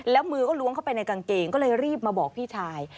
แล้วมือก็ล้วงเข้าไปในกางเกงก็เลยรีบมาบอกพี่ชาย